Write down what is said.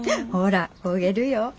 ほら焦げるよ。